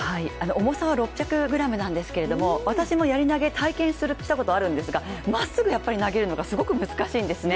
重さは６００ｇなんですけれども、私もやり投げ、体験したことがあるんですがまっすぐやっぱり投げるのがすごく難しいんですね。